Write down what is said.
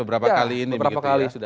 beberapa kali ini